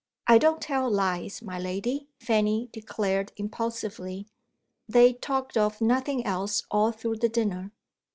"I don't tell lies, my lady," Fanny declared impulsively. "They talked of nothing else all through the dinner."